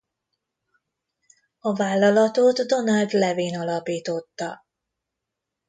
A vállalatot Donald Levin alapította.